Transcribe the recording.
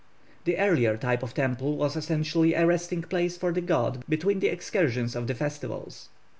The earlier type of temple was essentially a resting place for the god between the excursions of the festivals.